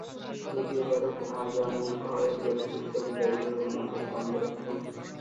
যদি এবারও ভাজা মুগ হয়, টেমসের জলে যাইবে ও তোমাদের পণ্ডশ্রম।